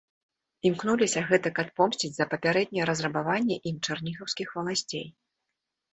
Імкнуліся гэтак адпомсціць за папярэдняе разрабаванне ім чарнігаўскіх валасцей.